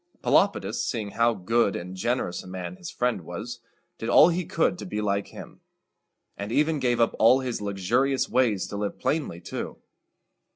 Pelopidas, seeing how good and generous a man his friend was, did all he could to be like him, and even gave up all his luxurious ways to live plainly too.